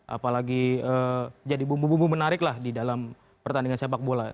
apalagi jadi bumbu bumbu menarik lah di dalam pertandingan sepak bola